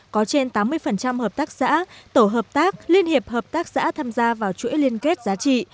có trên tám mươi hợp tác xã tổ hợp tác liên hiệp hợp tác xã tham gia vào chuỗi liên kết giá trị